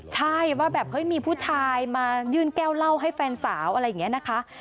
ใช่ว่าแบบเฮ้ยมีผู้ชายมายื่นแก้วเหล้าให้แฟนสาวอะไรอย่างนี้นะคะ